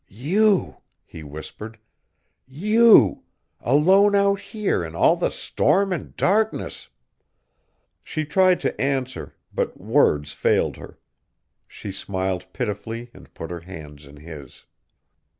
"You!" he whispered, "you! Alone out here in all the storm and darkness!" She tried to answer, but words failed her. She smiled pitifully and put her hands in his.